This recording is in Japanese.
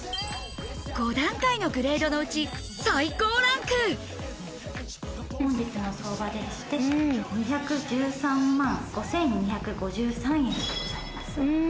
５段階のグレードのうち本日の相場でして２１３万５２５３円でございます。